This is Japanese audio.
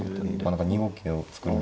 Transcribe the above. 何か２五桂を作る。